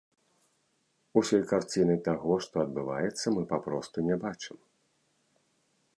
Усёй карціны таго, што адбываецца, мы папросту не бачым.